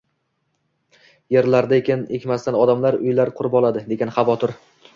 – yerlarda ekin ekmasdan odamlar uylar qurib oladi, degan xavotir.